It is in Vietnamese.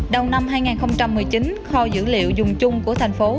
đầu năm hai nghìn một mươi chín kho dữ liệu dùng chung của thành phố